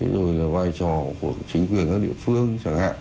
rồi là vai trò của chính quyền các địa phương chẳng hạn